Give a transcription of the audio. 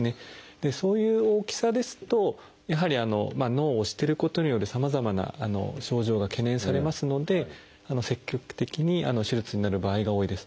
でそういう大きさですとやはり脳を押してることによるさまざまな症状が懸念されますので積極的に手術になる場合が多いです。